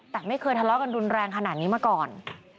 แต่ไม่เคยทะเลาะกันรุนแรงขนาดนี้มาก่อน